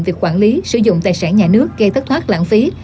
việc quản lý sử dụng tài sản nhà nước gây thất thoát lãng phí